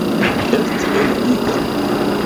Esti enuiga?